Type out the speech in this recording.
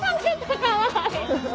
かわいい！